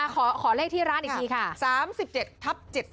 ขอเลขที่ร้านอีกทีค่ะ๓๗ทับ๗๒